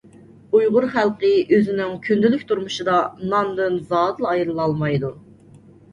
ئۇيغۇر خەلقى ئۆزىنىڭ كۈندىلىك تۇرمۇشىدا ناندىن زادىلا ئايرىلالمايدۇ.